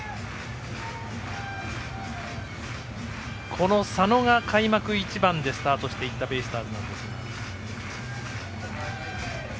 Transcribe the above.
この佐野が開幕１番でスタートしていったベイスターズなんですが。